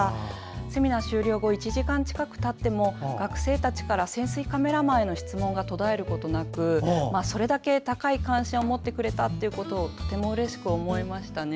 セミナー終了後１時間近くたっても学生たちから潜水カメラマンへの質問が途絶えることなくそれだけ高い関心を持ってくれたことをとてもうれしく思いました。